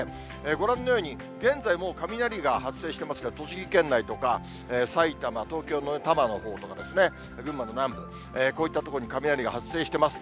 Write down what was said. ご覧のように現在、もう雷が発生してますが、栃木県内とか、埼玉、東京の多摩のほうとかですね、群馬の南部、こういった所に雷が発生してます。